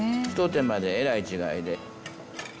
一手間でえらい違いで。